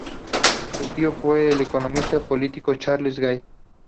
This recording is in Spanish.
Su tío fue el economista político Charles Gide.